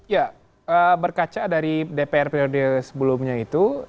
ya berkaca dari dpr periode sebelumnya itu